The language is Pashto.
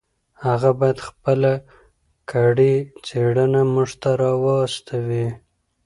هغه باید خپله کړې څېړنه موږ ته راواستوي.